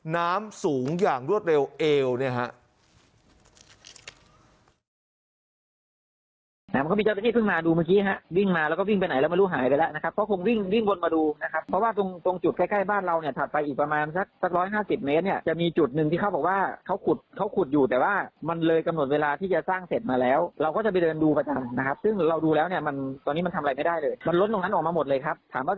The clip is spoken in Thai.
น้ำสูงอย่างรวดเร็วเอวเนี่ยฮะ